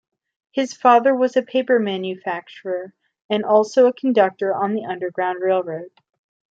His father was a paper manufacturer and also a conductor on the Underground Railroad.